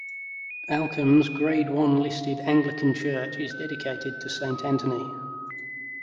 Alkham's Grade One listed Anglican church is dedicated to Saint Anthony.